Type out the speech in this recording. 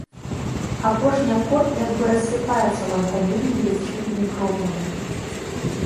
Апошні акорд як бы рассыпаецца ў аддаленні ледзь чутнымі кроплямі.